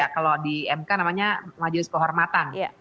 kalau di mk namanya majelis kehormatan